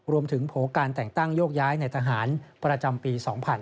โผล่การแต่งตั้งโยกย้ายในทหารประจำปี๒๕๕๙